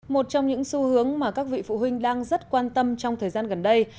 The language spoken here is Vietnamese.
một trong những xu hướng mà các vị phụ huynh đang rất quan tâm trong thời gian gần đây